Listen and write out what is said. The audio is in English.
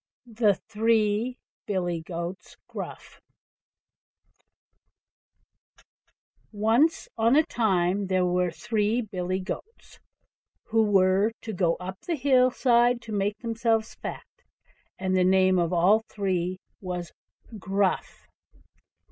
THE THREE BILLY GOATS GRUFF Once on a time there were three Billy goats, who were to go up to the hill side to make themselves fat, and the name of all three was "Gruff".